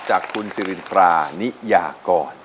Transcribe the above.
จากคุณสิรินทรานิยากร